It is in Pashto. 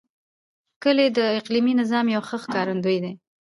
کلي د اقلیمي نظام یو ښه ښکارندوی دی.